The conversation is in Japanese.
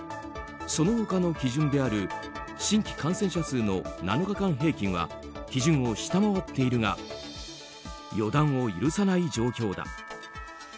その他の基準である新規感染者数の７日間平均は基準を下回っているが予断を許さない状況だ。